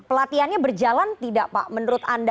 pelatihannya berjalan tidak pak menurut anda